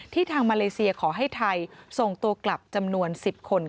ทางมาเลเซียขอให้ไทยส่งตัวกลับจำนวน๑๐คน